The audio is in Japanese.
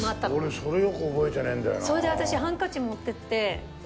俺それよく覚えてねえんだよな。